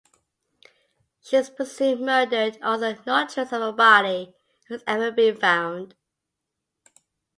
She is presumed murdered, although no trace of her body has ever been found.